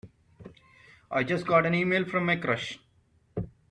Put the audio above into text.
I just got an e-mail from my crush!